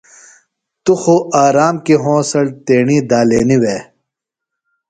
تو خُو آرام کیۡ ہونسڑ تیݨی دالینیۡ وے۔